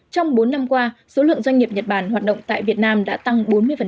trong bốn năm qua số lượng doanh nghiệp nhật bản hoạt động tại việt nam đã tăng bốn mươi